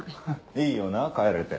いいよなぁ帰れて。